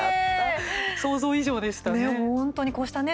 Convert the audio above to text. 想像以上でしたね。